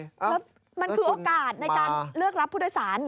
แล้วมันคือโอกาสในการเลือกรับผู้โดยสาร